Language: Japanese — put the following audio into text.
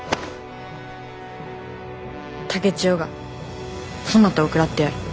竹千代がそなたを食らってやる。